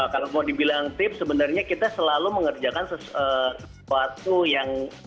kalau mau dibilang tips sebenarnya kita selalu mengerjakan sesuatu yang